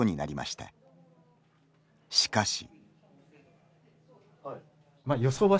しかし。